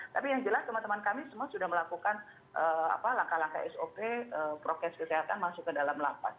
tapi yang jelas teman teman kami semua sudah melakukan langkah langkah sop prokes kesehatan masuk ke dalam lapas